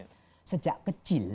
yang sudah kita lihat